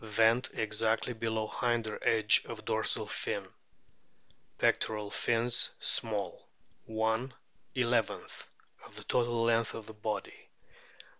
Vent exactly below hinder edge of dorsal fin. Pectoral fins small, ^ of total length of body.